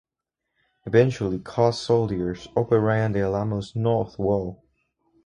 Eventually Cos' soldiers overran the Alamo's north wall.